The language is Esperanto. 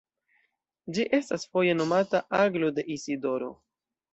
Ĝi estas foje nomata Aglo de Isidoro.